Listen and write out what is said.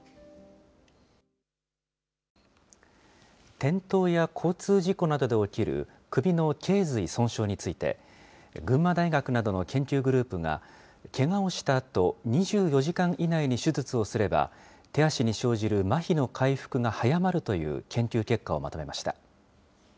転倒や交通事故などで起きる首のけい髄損傷について、群馬大学などの研究グループがけがをしたあと、２４時間以内に手術をすれば、手足に生じるまひの回復が早まるという研究結果をまとめました。